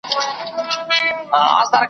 د زامنو به مي څیري کړي نسونه `